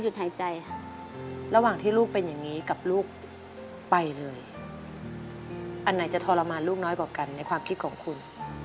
หายใจค่ะระหว่างที่ลูกเป็นอย่างนี้กับลูกไปเลยอันไหนจะทรมานลูกน้อยกว่ากันในความคิดของคุณ